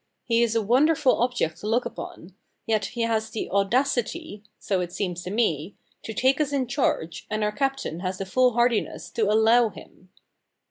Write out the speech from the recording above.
He is a wonderful object to look upon; yet he has the audacity, (so it seems to me), to take us in charge, and our captain has the foolhardiness to allow him.